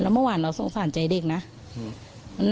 แล้วเมื่อวานเราสงสารใจเด็กน่ะอืม